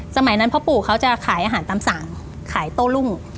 สมัยนั้นพ่อปู่เขาจะขายอาหารตามสั่งขายโต้รุ่ง